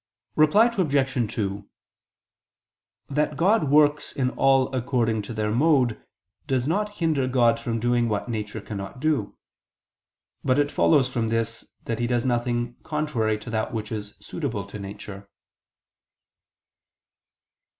Reply Obj. 2: That God works in all according to their mode, does not hinder God from doing what nature cannot do: but it follows from this that He does nothing contrary to that which is suitable to nature.